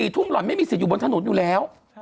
ทุ่มหล่อนไม่มีสิทธิอยู่บนถนนอยู่แล้ว